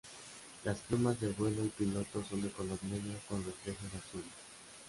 Las plumas de vuelo y piloto son de color negro con reflejos azules.